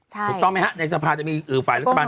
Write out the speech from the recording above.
ถูกต้องไหมฮะในสภาจะมีฝ่ายรัฐบาล